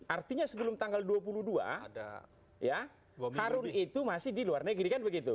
artinya sebelum tanggal dua puluh dua harun itu masih di luar negeri kan begitu